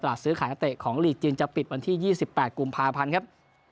ซื้อขายนักเตะของลีกจีนจะปิดวันที่๒๘กุมภาพันธ์ครับ